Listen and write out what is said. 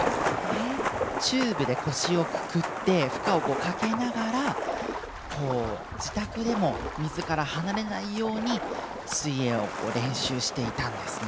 チューブで腰をくくって負荷をかけながら自宅でも水から離れないように水泳を練習していたんですね。